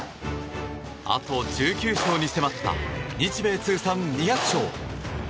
あと１９勝に迫った日米通算２００勝。